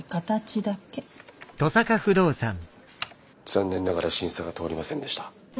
残念ながら審査が通りませんでした。